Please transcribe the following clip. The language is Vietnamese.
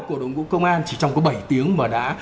của đồng vụ công an chỉ trong có bảy tiếng mà đã